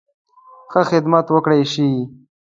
ښه خدمت وکړای شي.